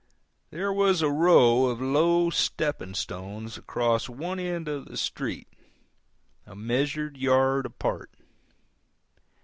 There was a row of low stepping stones across one end of the street, a measured yard apart.